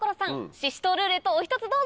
シシトウルーレットお１つどうぞ！